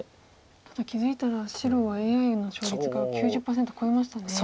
ただ気付いたら白はＡＩの勝率が９０％超えましたね。